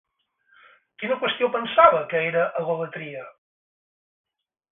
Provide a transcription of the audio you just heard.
Quina qüestió pensava que era egolatria?